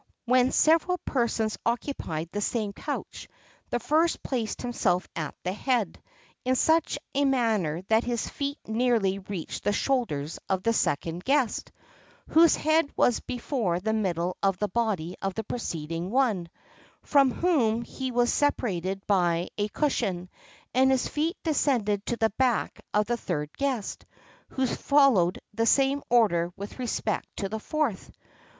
[XXXII 56] When several persons occupied the same couch, the first placed himself at the head, in such a manner that his feet nearly reached the shoulders of the second guest, whose head was before the middle of the body of the preceding one, from whom he was separated by a cushion; and his feet descended to the back of the third guest, who followed the same order with respect to the fourth.